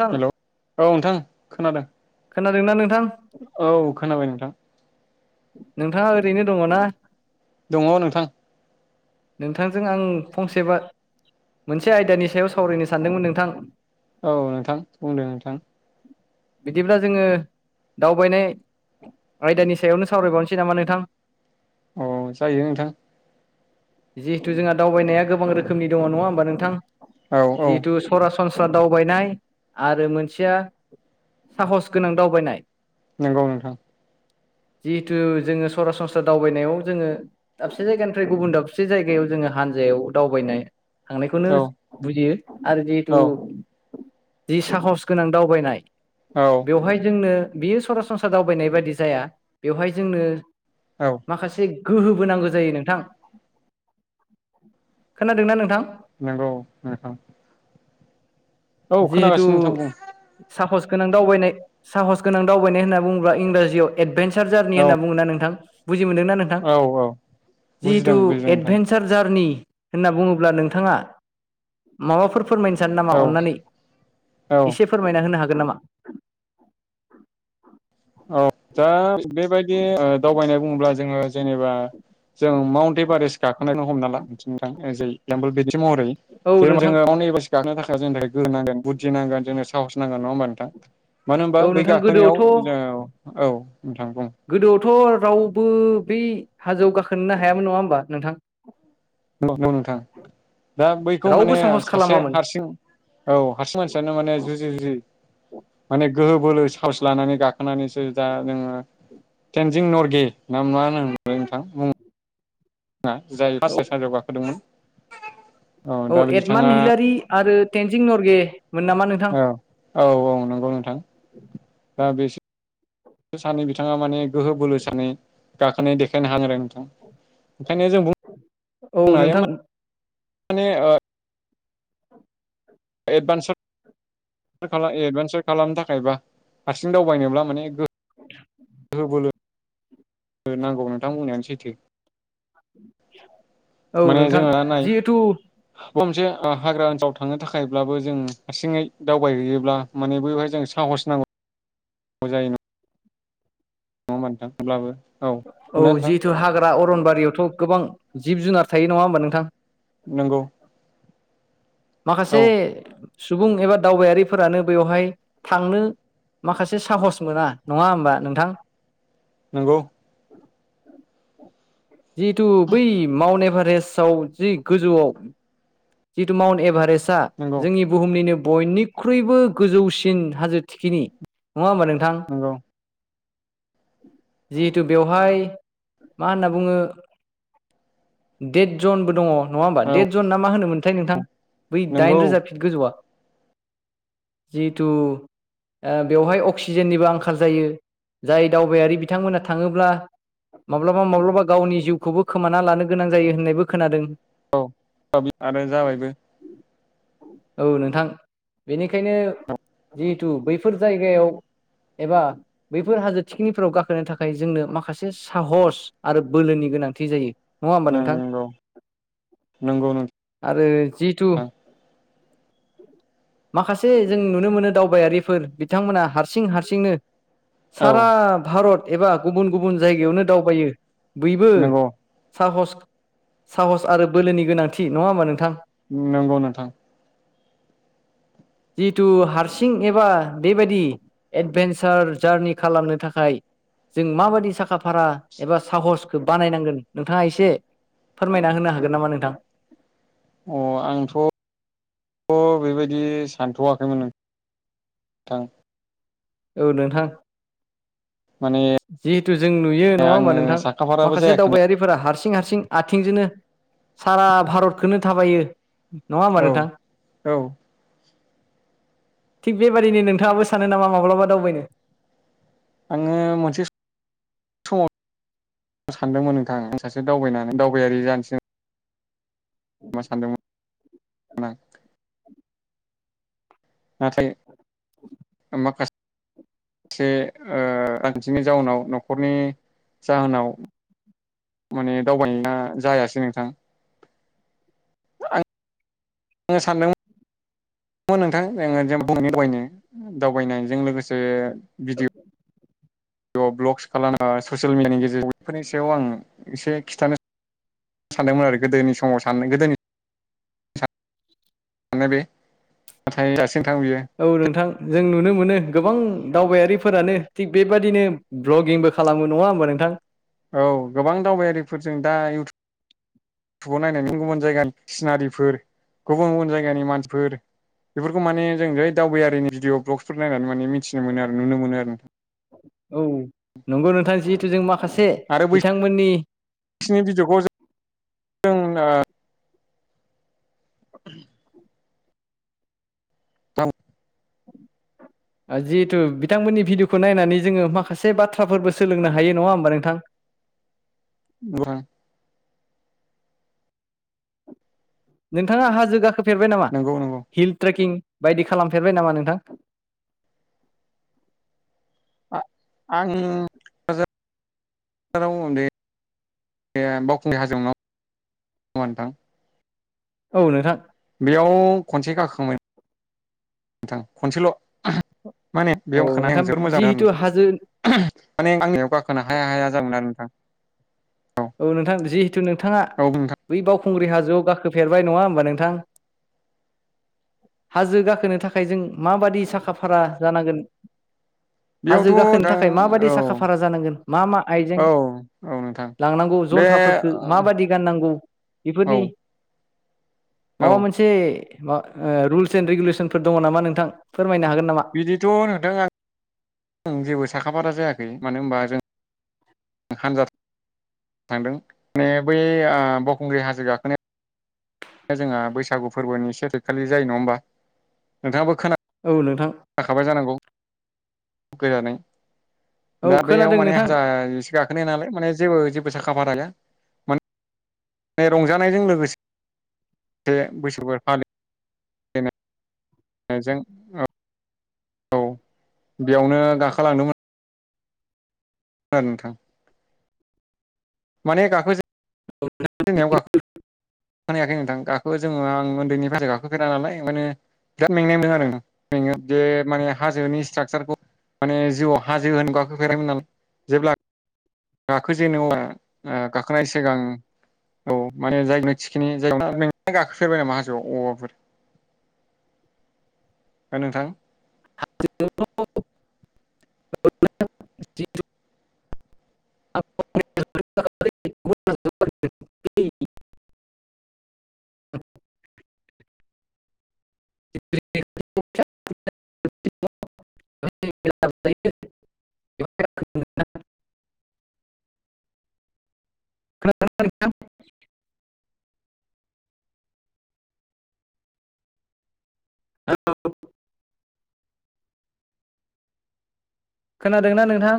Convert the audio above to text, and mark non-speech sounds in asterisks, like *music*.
नोंथां हेलौ औ नोंथां खोनादों। खोनादोंना नोंथां औ खोनाबाय नोंथां। नोंथाङा ओरैनो दङ' ना? दङ' नोंथां। नोंथांजों आं फंसेबा मोनसे आयदानि सायाव सावरायनो सानदोंमोन नोंथां। औ नोंथां बुंदो नोंथां बिदिब्ला जोङो दावबायनाय आयदानि सायावनो सावरायबावनोसै नामा नोंथां अ जायो नोंथां जिहेतु जोंहा दावबायनाया गोबां रोखोमनि दङ' नङा होमबा नोंथां, औ औ जिहेतु सरासन स्रा दावबायनाय आरो मोनसेया साहस गोनां दावबायनाय नोंगौ नोंथां। जिहेथु जोङो सरासनस्रा दावबायनायाव जोङो दाबसे जायगानिफ्राय गुबुन दाब से जायगायाव जोङो हानजायाव दावबायनाय थांनायखौनो औ बुजियो आरो औ जिहेथु जि साहस गोनां दावबायनाय औ बेवहाय जोंनो बियो सरासनस्रा दावबायनाय बायदि जाया बेवहाय जोंनो औ माखासे गोहोबो नांगौ जायो नोंथां। खोनादोंना नोंथां? नोंगौ नोंथां। औ जिहेतु खोनागासिनो नोंथां बुं साहस गोनां दावनाय साहस गोनां दावबायनाय होनना बुङोब्ला इंराजियाव एदभे चार जारनि औ होनना बुङोना नोंथां, बुजि मोनदोंना नोंथां, औ औ बुजिदों जिहेथु बुजिदों नोंथां एडभेन्सार जारनि होनना बुङोब्ला नोंथाङा माबाफोर फोरमायनो सानो नामा औ अनानै औ एसे फोरमायना होनो हा गोन नामा? औ दा बेबायदि ओ दावबायनाय बुङोब्ला जोङो जेनेबा जों माउन्ट एभारेष्ट गाखोनायखौनो हमना ला नोंथां एज ए एक्जामपल महरै औ जेनेबा जों नोंथां माउन्ट एभारेस्ट गाखोनो थाखाय जोंनो थाखाय गोहो नांगोन बुद्धि नांगोन जोंनो साहस नांगोन नङा होमबा नोंथां। मानो होनबा औ बै नोंथां गाखोनायाव गोदोआवथ' जोङो, औ नोंथां बुं थ' रावबो बै हाजोआव गाखोनोनो हायामोन नङा होमबा नोंथां। नोंगौ-नोंगौ नोंथां। दा बैखौ रावबो माने साहस सासे खालामामोन हारसिं औ हारसिं मानसियानो माने जुजि-जुजि माने गोहो बोलो साहस लानानै गाखोनानैसो दा जोङो तटेनजिं नरगे ना मा होनोमोनलाय नोंथां मुं ङा जाय औ फासा बेहाजोआव गाखोदोंमोन। औ दा बिथाङा एडमान् हिलारि आरो तटेनजिं नर गे। औ औ औ नंगौ नोंथां दा बेसे सानै बिथाङा माने गोहो बोलो सानै गाखोनाय देखायनो हानाय आरो नोंथां ओंखायनो जों औ बुंनो हायो नोंथां माने ओ एडभान्स एडभान्सार खालामनो थाखाय बा हारसिं दावबायनोब्ला माने गो गोहो बोलो नांगौ नोंथांबुंनायानो सैथो। औ नोंथां जिहेथु बबेबा मोनसे हाग्रा ओनसोलाव थांनो थाखायब्लाबो जों हारसिङै दावबायहैयोब्ला माने बेवहाय जों साहस नांगौ जायो नङा नङा होमबा नोंथां थेवब्लाबो औ जिहेतु हाग्रा अरनबारियावथ' गोबां जिब जुनार थायो नङा होमबा नोंथां। नंगौ औ माखासे सुबुं एबा दावबायारिफोरानो बेवहाय थांनो माखासे साहस मोना नङा होमबा नोंथां। नंगौ जिहेथु बै माउन्ट एभारेस्टआव जि गोजौआव जिथु माउन्ट एभारेस्टआ नंगौ जोंनि बुहुमनिनो बयनिख्रुइबो गोजौसिन हाजो थखिनि नङा हमबा नोंथां। नंगौ औ जिहेथु बेवहाय मा होनना बुङो देट जनबो दङ। नङा होमबा देट जन ना मा होनोमोनथाय नोंथां बै दाइन रोजा नंगौ फिट गोजौआ। जिथु ओ बेवहाय अक्सिजेननिबो आंखाल जायो जाय दावबायारि बिथांमोना थाङोब्ला माब्लाबा-माब्लाबा गावनि जिउखौबो खोमाना लानो गोनां जायो होननायबो खोनादों। औ दाबि आरो जाबायबो। औ नोंथां बेनिखायनो जिहेथु बैफोर जायगायाव एबा बैफोर हाजो थिखिनिफोराव गाखोनो थाखाय जोंनो माखासे साहस आरो बोलोनि गो गोनांथि जायो। नङा होमबा नोंथां नंगौ नंगौ नोंथां आरो जिथु माखासे जों नुनो मोनो दावबायारिफोर बिथांमोना हारसिं-हारसिंनो औ सारा भारत एबा गुबुन-गुबुन जायगायावनो दावबायो। बयबो नंगौ साहस-साहस आरो बोलोनि गोनांथि नङा होमबा नोंथां। नंगौ नोंथां। *inaudible* जिहेथु हारसिं एबा बेबायदि एडभेन्सार जारनि खालामनो थाखाय जों माबायदि साखा फारा एबा साहस खौ बानायनांगोन नोंथाङा एसे फोरमायना होनो हागोन नामा नोंथां अ आंथ थ बेबायदि सानथवाखैमोन नोंथां औ नोंथां माने जिहेथु जों नुयो नङा होमबा आङो नोंथां साखाफाराबो माखासे जायाखै दावबायारिफोरा हारसिं हारसिं हारसिं आथिंजोंनो सारा भारतखौनो थाबायो नङा होनबा औ नोंथां औ थिग बेबादिनो नोंथाङाबो सानो नामा माब्लाबा दावबायनो आंङो मोनसे समाव सानदोंमोन नोंथां आं सासे दावबायनानै दावबायारि जानोसै मा सानदोंमोन? नाथाय माखा एसे रानसेनि जाउनाव नखरनि जाहोनाव माने दावबायनाया जायासै नोंथां। आं सानदों नोंथां जोंङो जों बुंनो दावनो दावबायनायजों लोगोसे भिडिअ भ ब्लगस खालाम ससियेल मिडियानि गेजेरजों बेफोरनि सायाव आं एसे खिन्थानो सानो। सानदोंमोन आरो गोदोनि समाव सान गोदोनि मानो बे नाथाय थां बियो औ नोंथां जों नुनो मोनो। गोबां दावबायारिफोरानो थिग बेबादिनो भ्लगिंबो खालामो नङा होमबा नोंथां। औ गोबां दावबायारिफोरजों दा इउटुब टुबाव नायनानै गुबुन गुबुन जायगानि सिनारिफोर गुबुन गुबुन जायगानि मानसिफोर बेफोरखौ माने जों जै दावबायारिनि भिडिअ ब्लगसफोर नायनानै माने मिथि मोनो आरो नुनो मोनो आरो नोंथां। औ नंगौ नोंथां जिहेथु जों माखासे आरो बिथांमोननि बिसिनि भयखौ जों। थाम- जिहेथु बिथांमोननि भिडिअखौ नायनानै जोंङो माखासे बाथ्राफोरबो सोलोंनो हायो नङा होमबा नोंथां। *inaudible* अ। नोंथाङा हाजो गाखोफेरबाय नामा नंगौ नंगौ हिल ट्रेकिं बायदि खालामफेरबाय नामा नोंथां? आं बे बावखुंग्रि हाजोआव नोंथां। औ नोंथां। बेयाव खनसे गाखोखांबाय आं नोंथां खनसेल माने बे औ अखानाय आं नोंथां जोबबोद मोजांनो आरो जिहेथु हाजो नोंथां। माने आंनियाव गाखोनो हाया हाया जागोन आरो नोंथां। औ नोंथां जिहेथु नोंथाङा औ नोंथां बै बाव खुंग्रि हाजोआव गाखोफेरबाय नङा होमबा नोंथां। हाजो गाखोनो थाखाय जों माबादि साखा फारा जानांगोन हाजो बेयावथ' गाखोनो नोंथां थाखाय औ माबायदि साखा फारा जानांगोन मा मा आइजें औ औ नोंथां लांनांगौ बे जन्थाफोरफोरखौ माबादि गाननांगौ बेफोरनि औ औ माबा मोनसे मा रुल्स एन्ड रेगुलेसनफोर दङ नामा नोंथां। फोरमायनो हागोन नामा बिदिथ नोंथां आं जेबो साखाफारा जायाख मानो होनबा जों हानजा थांदों माने बै बावखुंग्रि हाजो गाखोनाया। जोंहा बैसागु फोरबोनि सेथिखालि जायो नङा हबा नोंथाङाबो औ नोंथां खोनाखाबाय जानांगौ गोजानै। औ दा बेयाव खोनादों माने नोंथां हाजार एसे गाखोनो नालाय माने जेबो जेबो साखाफाराया नै रंजानायजों लोगोस बैसफोर फालि फालिजों औ बेयावनो गाखालांदोंमोन। आरो नोंथां माने गाखो जो *inaudible* खोनायाखै नोंथां गाखो जो आं उन्दैनि बाथ गाखोफेरा नालाय ओंखायनो बिराद मेंनाय मोन आरो मेंङो जे माने हाजोनि स्ट्राकसारखौ माने जिउआव हाजो होनो गाखोफेरामोन नालाय जेब्ला गाखो जे नङा गाखोनाय सिगां औ माने जायगायाव थिखिनि जायगा नों गाखोफेरबाय नामा हाजोआव औबाफोर *inaudible* *unintelligible* नोंथां *inaudible* *unintelligible* *inaudible* *unintelligible* *inaudible* *unintelligible* *inaudible* *unintelligible* *inaudible* *unintelligible* खोनादोंना नोंथां?